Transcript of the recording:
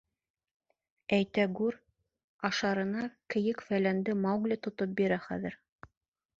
Әйтәгүр, ашарына кейек-фәләнде Маугли тотоп бирә хәҙер.